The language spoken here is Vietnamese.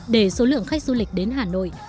để số lượng khách du lịch đến hà nội